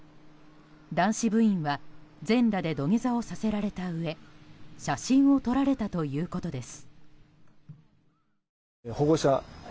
男子部員は全裸で土下座をさせられたうえ写真を撮られたということです。